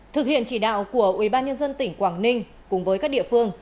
thực hiện chỉ đạo của ubnd tỉnh quảng ninh cùng với các địa phương